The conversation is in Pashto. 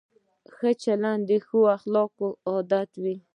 ښه چلند د ښو خلکو عادت وي.